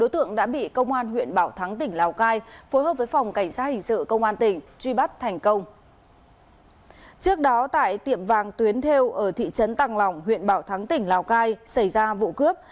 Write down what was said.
trước đó tại tiệm vàng tuyến thêu ở thị trấn tăng lòng huyện bảo thắng tỉnh lào cai xảy ra vụ cướp